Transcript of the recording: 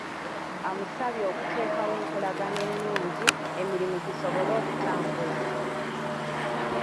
Amusabye okuteekawo enkolagana ennungi, emirimu gisobole okutambula.